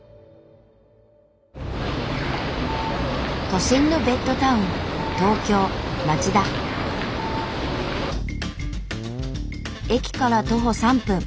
都心のベッドタウン駅から徒歩３分。